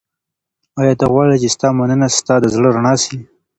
ایا ته غواړې چي ستا مننه ستا د زړه رڼا سي؟